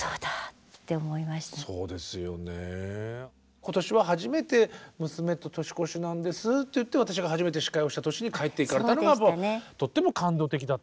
今年は初めて娘と年越しなんですって言って私が初めて司会をした年に帰って行かれたのがとっても感動的だった。